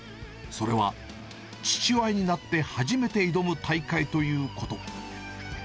それは、父親になって初めて挑む大会ということ。